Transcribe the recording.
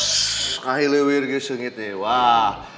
sebentar sebentar apa yang dicabut tapi